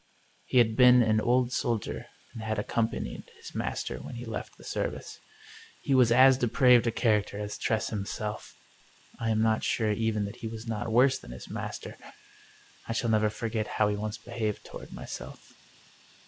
He had been an old soldier, and had accompanied his master when he left the service. He was as depraved a character as Tress him self. I am not sure even that he was not worse than his master. I shall never forget how he once behaved toward myself.